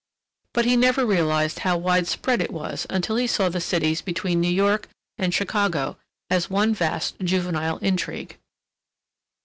But he never realized how wide spread it was until he saw the cities between New York and Chicago as one vast juvenile intrigue.